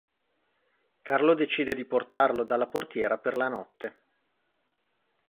Carlo decide di portarlo dalla portiera per la notte.